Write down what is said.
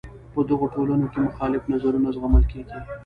په دغو ټولنو کې مخالف نظرونه زغمل کیږي.